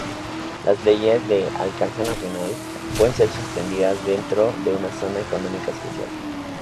Las leyes de "alcance nacional" pueden ser suspendidas dentro de una zona económica especial.